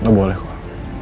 lu boleh kok